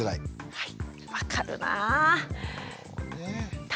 はい。